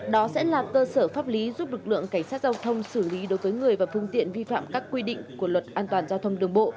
đó sẽ là cơ sở pháp lý giúp lực lượng cảnh sát giao thông xử lý đối với người và phương tiện vi phạm các quy định của luật an toàn giao thông đường bộ